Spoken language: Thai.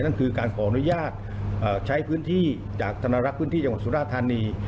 นั่นคือการขออนุญาตใช้พื้นที่จากธรรมรักษ์พื้นที่จังหวัดสุราธานี